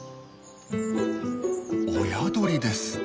親鳥です。